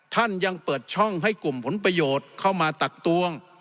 ท่านยังเปิดช่องให้กลุ่มผลประโยชน์เข้ามาตักตวง